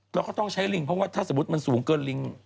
เราก็ต้องใช้ลิงเพราะว่าถ้าสมมุติมันสูงเกินลิง